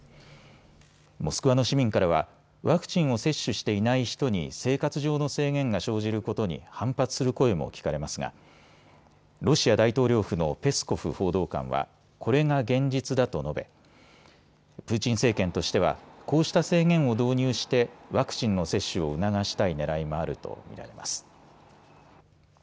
モスクワの市民からはワクチンを接種していない人に生活上の制限が生じることに反発する声も聞かれますがロシア大統領府のペスコフ報道官はこれが現実だと述べ、プーチン政権としてはこうした制限を導入してワクチンの接種を促したいねらいもあると見られます。